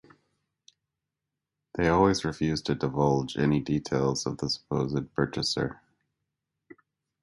They always refused to divulge any details of the supposed purchaser.